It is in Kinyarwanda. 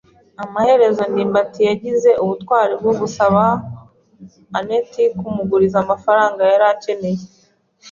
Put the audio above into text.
Amaherezo ndimbati yagize ubutwari bwo gusaba anet kumuguriza amafaranga yari akeneye.